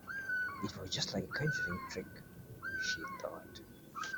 It was just like a conjuring-trick, she thought.